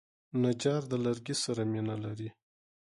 نجار د لرګي سره مینه لري.